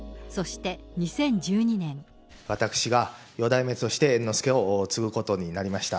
私が四代目、そして猿之助を継ぐことになりました。